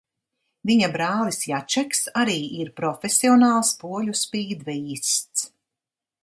Viņa brālis Jačeks arī ir profesionāls poļu spīdvejists.